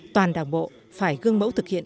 toàn đảng bộ phải gương mẫu thực hiện